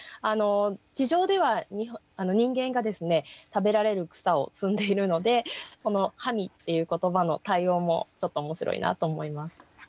あの地上では人間が食べられる草を摘んでいるのでその「食み」っていう言葉の対応もちょっと面白いなと思います。